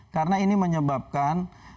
karena ini menyebabkan